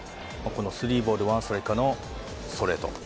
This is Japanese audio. スリーボール、ワンストライクからのストレート。